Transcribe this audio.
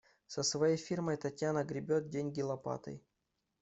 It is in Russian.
Со своей фирмой Татьяна гребёт деньги лопатой.